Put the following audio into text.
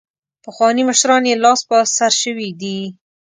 پخواني مشران یې لاس په سر شوي دي.